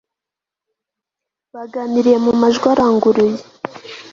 Baganiriye mu majwi aranguruye